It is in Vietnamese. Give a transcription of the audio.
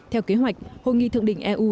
theo kế hoạch hội nghị thượng đỉnh eu